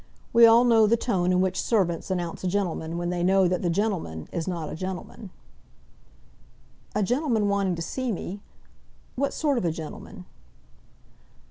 We all know the tone in which servants announce a gentleman when they know that the gentleman is not a gentleman. "A gentleman wanting to see me! What sort of a gentleman?"